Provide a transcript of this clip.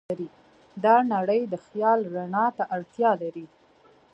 دا نړۍ د خیال رڼا ته اړتیا لري.